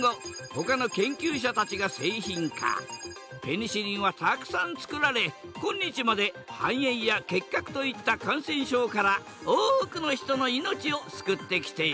ペニシリンはたくさんつくられ今日まで肺炎や結核といった感染症から多くの人の命を救ってきている。